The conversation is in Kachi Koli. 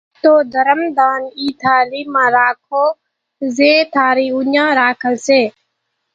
تو ڌرم ۮان اِي ٿارِي مان راکو زين ٿارِي اُوڃان راکل سي،